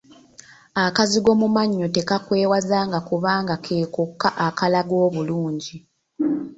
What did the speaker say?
Akazigo mu mannyo tekakwewazanga kubanga ke kokka akalaga obulungi.